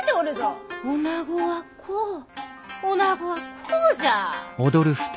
女子はこう女子はこうじゃ！